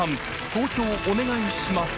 投票お願いします